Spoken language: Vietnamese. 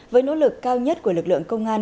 với nỗ lực cao nhất của lực lượng công an